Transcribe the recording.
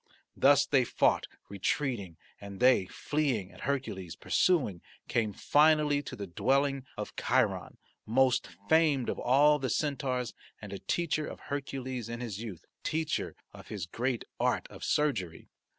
Thus they fought retreating and, they fleeing and Hercules pursuing, came finally to the dwelling of Chiron, most famed of all the centaurs and a teacher of Hercules in his youth, teacher of his great art of surgery.